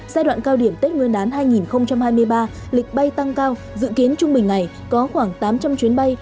giai đoạn cao điểm tết nguyên đán hai nghìn hai mươi ba lịch bay tăng cao dự kiến trung bình ngày có khoảng tám trăm linh chuyến bay